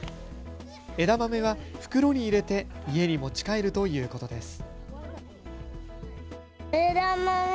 枝豆は袋に入れて家に持ち帰るということです。